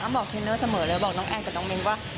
อ้ำบอกเทรนเนอร์เสมอเลยว่า